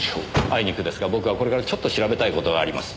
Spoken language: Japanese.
あいにくですが僕はこれからちょっと調べたい事があります。